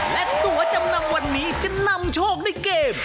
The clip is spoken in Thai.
และตัวจำนำวันนี้จะนำโชคด้วยเกม